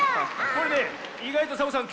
これねいがいとサボさん